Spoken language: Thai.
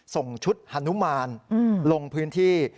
ส่งชุดฮานุมานลงพื้นที่